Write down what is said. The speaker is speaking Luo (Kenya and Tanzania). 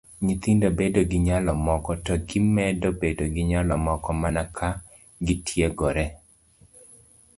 Nyithindo bedo gi nyalo moko, to gimedo bedo gi nyalo moko mana ka gitiegore.